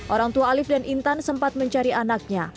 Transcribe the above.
orang tua alif dan intan sempat mencari anaknya